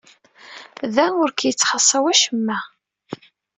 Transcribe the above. Da ur k-yettxaṣṣa wacemma.